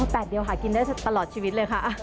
แปดเดียวหากินได้ตลอดชีวิตเลยค่ะ